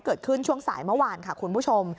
เกิดขึ้นช่วงสายเมื่อวานค่ะคุณผู้ชม